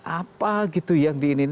apa gitu yang di ini